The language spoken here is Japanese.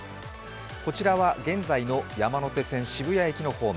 こちらは現在の山手線・渋谷駅のホーム。